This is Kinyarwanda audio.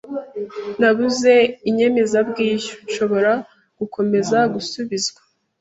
Nabuze inyemezabwishyu. Nshobora gukomeza gusubizwa?